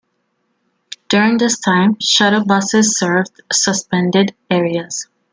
During this time, shuttle buses served suspended areas.